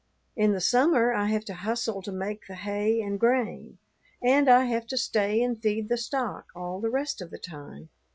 In the summer I have to hustle to make the hay and grain, and I have to stay and feed the stock all the rest of the time."